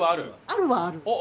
あるはある。